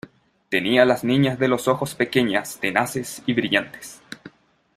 tenía las niñas de los ojos pequeñas, tenaces y brillantes ,